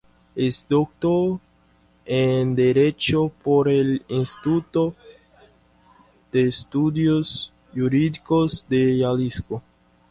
Es Doctor en Derecho por el Instituto de Estudios Jurídicos de Jalisco.